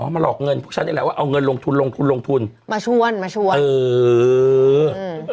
มาหลอกเงินพวกฉันนี่แหละว่าเอาเงินลงทุนลงทุนลงทุนมาชวนมาชวนเอออืม